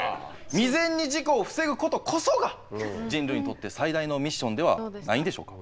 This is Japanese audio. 未然に事故を防ぐことこそが人類にとって最大のミッションではないんでしょうか。